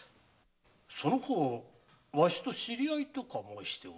その方わしと知り合いとか申しておるそうだな？